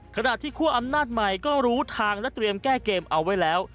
ขณะที่คั่วอำนาจใหม่ก็รู้ทางและเตรียมแก้เกมเอาไว้แล้ว